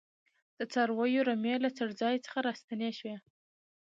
د څارویو رمې له څړځای څخه راستنې شوې.